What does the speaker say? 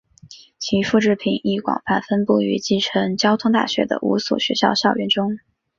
其复制品亦广泛分布于继承交通大学的五所学校校园中。